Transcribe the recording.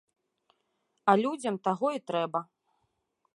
А людзям таго і трэба.